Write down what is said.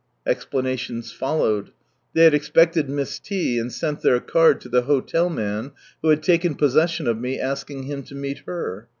Explanations followed. They had expected Miss T. and sent llieir card lo the hotel man who had taken possession of me, asking him lo meet her.